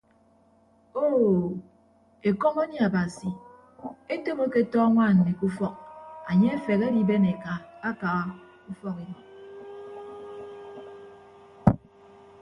Oo ekọm anie abasi etop aketọ añwaan mmi ke ufọk anye afehe adiben eka aka ufọk ibọk.